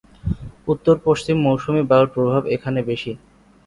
উত্তর-পশ্চিম মৌসুমী বায়ুর প্রভাব এখানে বেশি।